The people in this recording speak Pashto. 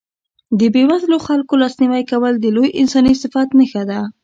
د بېوزلو خلکو لاسنیوی کول د لوی انساني صفت نښه ده.